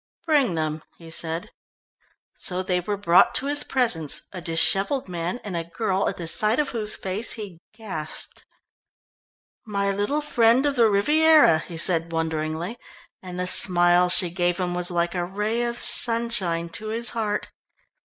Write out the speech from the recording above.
"Bring them," he said. So they were brought to his presence, a dishevelled man and a girl at the sight of whose face, he gasped. "My little friend of the Riviera," he said wonderingly, and the smile she gave him was like a ray of sunshine to his heart.